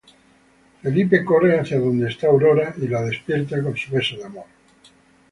Felipe corre hacia donde está Aurora y la despierta con su beso de amor.